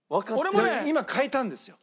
今変えたんですよ